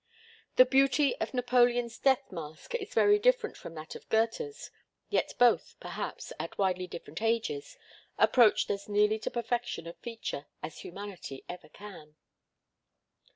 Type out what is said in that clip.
The beauty of Napoleon's death mask is very different from that of Goethe's, yet both, perhaps, at widely different ages, approached as nearly to perfection of feature as humanity ever can.